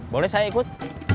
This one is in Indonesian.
boleh saya ikut